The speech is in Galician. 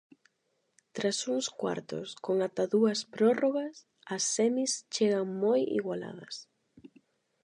Tras uns cuartos con ata dúas prórrogas, as semis chegan moi igualadas.